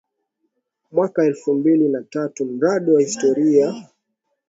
mwaka elfu mbili na tatu Mradi wa Historia ya Wachaga wa Mkoa wa Kilimanjaro